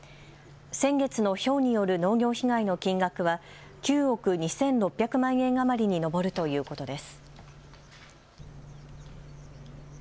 先月のひょうによる農業被害の金額は９億２６００万円余りに上るということです。